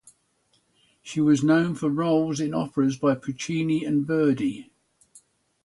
She was known for roles in operas by Puccini and Verdi.